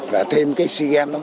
và thêm cái sea games